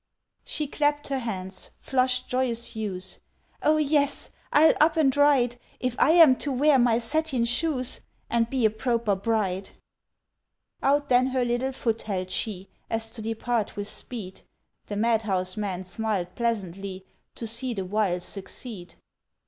She clapped her hands, flushed joyous hues; "O yes—I'll up and ride If I am to wear my satin shoes And be a proper bride!" Out then her little foot held she, As to depart with speed; The madhouse man smiled pleasantly To see the wile succeed.